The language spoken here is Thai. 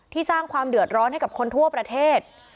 สร้างความเดือดร้อนให้กับคนทั่วประเทศ